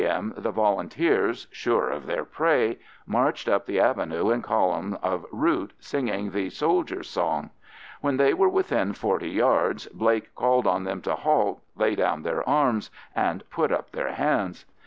M. the Volunteers, sure of their prey, marched up the avenue in column of route, singing the "Soldiers' Song." When they were within forty yards Blake called on them to halt, lay down their arms, and put up their hands.